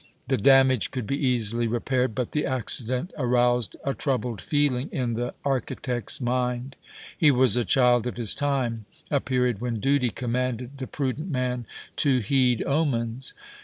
The damage could be easily repaired, but the accident aroused a troubled feeling in the architect's mind. He was a child of his time, a period when duty commanded the prudent man to heed omens.